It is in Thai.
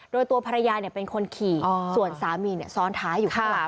โดยตัวภรรยาเนี่ยเป็นคนขี่อ๋อส่วนสามีเนี่ยซ้อนท้ายอยู่ข้างหลัง